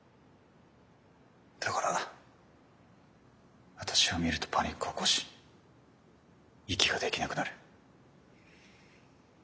だから私を見るとパニックを起こし息ができなくなる。